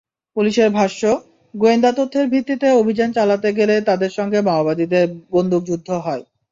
পুলিশের ভাষ্য, গোয়েন্দা তথ্যের ভিত্তিতে অভিযান চালাতে গেলে তাদের সঙ্গে মাওবাদীদের বন্দুকযুদ্ধ হয়।